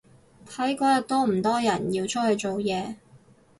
睇嗰日多唔多人要出去做嘢